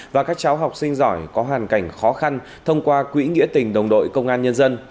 và các cháu học sinh giỏi có hoàn cảnh khó khăn thông qua quỹ nghĩa tình đồng đội công an nhân dân